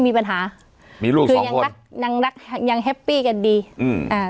ไม่มีปัญหามีลูกสองคนคือยังรักยังแฮปปี้กันดีอืมอ่า